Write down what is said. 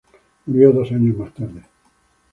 Murió dos años más tarde.